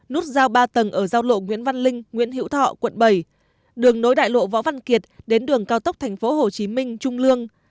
nút giao ba tầng ở giao lộ nguyễn văn linh nguyễn hiễu thọ quận bảy đường nối đại lộ võ văn kiệt đến đường cao tốc tp hcm trung lương